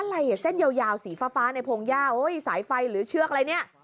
อะไรอ่ะเส้นยาวสีฟ้าในพงหญ้าสายไฟหรือเชือกอะไรเนี่ย